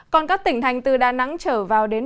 còn các tỉnh thành từ đà nẵng trở vào đến